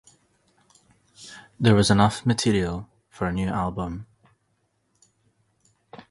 There was enough material for a new album.